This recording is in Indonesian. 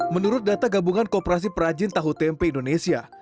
menurut data gabungan kooperasi perajin tahu tempe indonesia